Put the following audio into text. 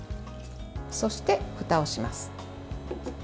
そして、ふたをします。